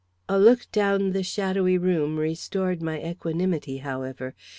A look down the shadowy room restored my equanimity, however.